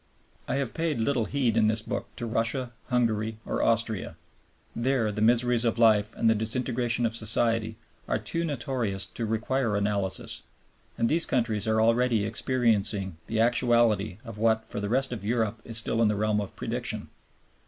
I have paid little heed in this book to Russia, Hungary, or Austria. There the miseries of life and the disintegration of society are too notorious to require analysis; and these countries are already experiencing the actuality of what for the rest of Europe is still in the realm of prediction.